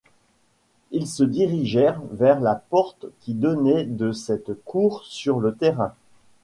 Ils se dirigèrent vers la porte qui donnait de cette cour sur le Terrain.